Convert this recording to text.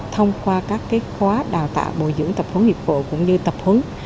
thông qua các khóa đào tạo bồi dưỡng tập hướng nghiệp vụ cũng như tập huấn